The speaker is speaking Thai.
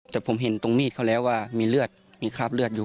แต่ผมเห็นตรงมีดเขาแล้วว่ามีเลือดมีคราบเลือดอยู่